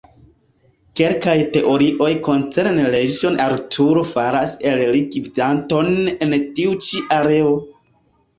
Kelkaj teorioj koncerne Reĝon Arturo faras el li gvidanton en tiu ĉi areo.